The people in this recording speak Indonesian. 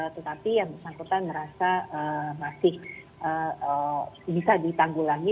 tetapi yang bersangkutan merasa masih bisa ditanggulangi